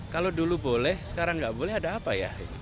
kalau dulu boleh sekarang nggak boleh ada apa ya